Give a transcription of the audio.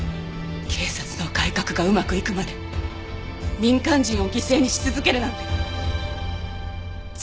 警察の改革がうまくいくまで民間人を犠牲にし続けるなんて絶対に許されません。